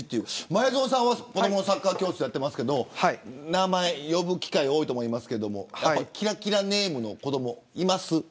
前園さんは子どものサッカー教室で名前、呼ぶ機会多いと思いますがキラキラネームの子どもいます。